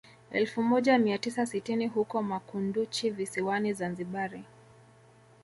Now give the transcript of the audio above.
Elfu moja mia tisa sitini huko makunduchi visiwani Zanzibari